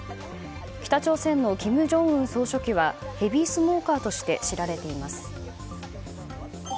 北朝鮮の金正恩総書記はヘビースモーカーとして知られています。